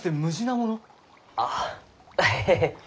あエヘヘヘ。